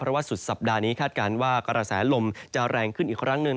เพราะว่าสุดสัปดาห์นี้คาดการณ์ว่ากระแสลมจะแรงขึ้นอีกครั้งหนึ่ง